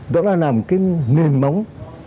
đó là làm cái nền móng